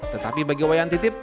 tetapi bagi wayan titip